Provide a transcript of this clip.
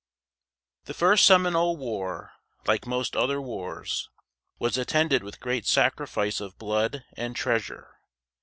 The first Seminole war, like most other wars, was attended with great sacrifice of blood and treasure.